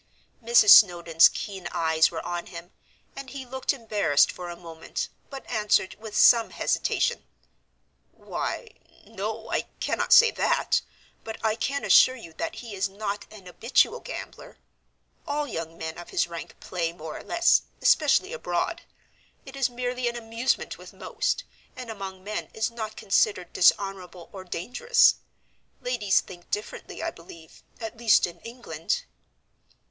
Mrs. Snowdon's keen eyes were on him, and he looked embarrassed for a moment, but answered with some hesitation, "Why, no, I cannot say that, but I can assure you that he is not an habitual gambler. All young men of his rank play more or less, especially abroad. It is merely an amusement with most, and among men is not considered dishonorable or dangerous. Ladies think differently, I believe, at least in England."